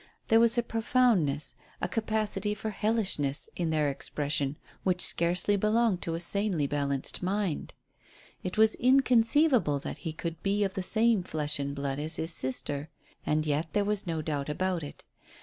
There was a profoundness, a capacity for hellishness in their expression which scarcely belonged to a sanely balanced mind. It was inconceivable that he could be of the same flesh and blood as his sister, and yet there was no doubt about it.